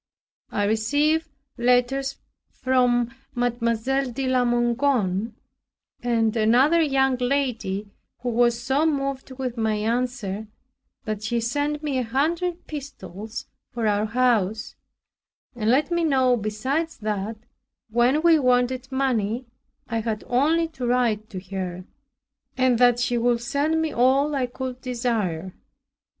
I received letters from Mademoiselle De Lamoignon, and another young lady, who was so moved with my answer, that she sent me a hundred pistoles for our house, and let me know besides that, when we wanted money, I had only to write to her; and that she would send me all I could desire.